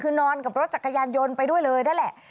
คือนอนกับรถจักรยานยนต์ไปด้วยเลยนั่นแหละ